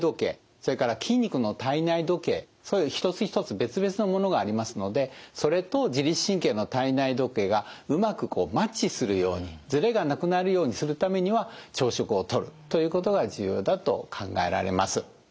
それから筋肉の体内時計一つ一つ別々のものがありますのでそれと自律神経の体内時計がうまくマッチするようにずれがなくなるようにするためには朝食をとるということが重要だと考えられます。